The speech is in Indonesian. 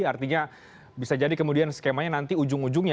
artinya bisa jadi kemudian skemanya nanti ujung ujungnya